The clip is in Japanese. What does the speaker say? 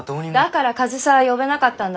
だから上総屋は呼べなかったんだろう？